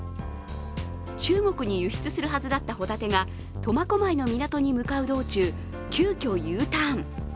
中国に輸出するはずだったホタテが苫小牧の港に向かう道中、急きょＵターン。